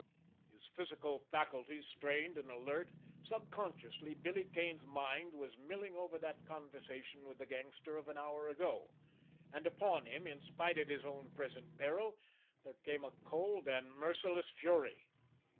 His physical faculties strained and alert, subconsciously Billy Kane's mind was milling over that conversation with the gangster of an hour ago, and upon him, in spite of his own present peril, there came a cold and merciless fury.